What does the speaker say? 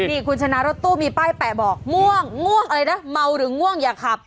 นี่คุณชนะรถตู้มีป้ายแปะบอกง่วงง่วงอะไรนะเมาหรือง่วงอย่าขับ